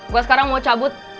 gue sekarang mau cabut